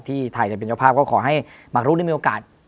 ที่ไทยจะเป็นเจ้าภาพก็ขอให้หมากรุกได้มีโอกาส